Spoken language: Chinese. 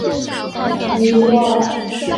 米伊多尔格。